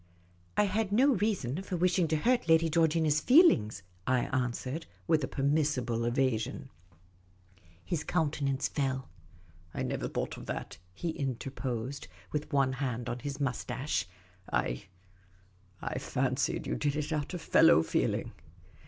" I had no reason for wishing to hurt Lady Georgina's feelings," I answered, with a permissible evasion. His countenance fell. " I never thought of that," he interposed, with one hand on his moustache. " I — I fancied you did it out of fellow feeling."